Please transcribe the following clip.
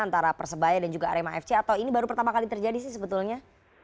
antara persebaya dan juga arema fc atau ini baru pertama kali terjadi sih sebetulnya